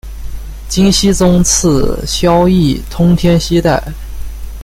金熙宗赐萧肄通天犀带。